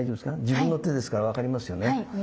自分の手ですから分かりますよね。